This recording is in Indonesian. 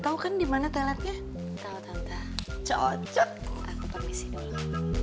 tahu kan dimana telatnya cocok aku permisi dulu